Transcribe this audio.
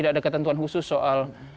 ada ketentuan khusus soal